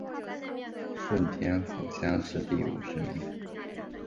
顺天府乡试第五十名。